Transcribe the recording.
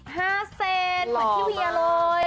เหมือนพี่เวียเลย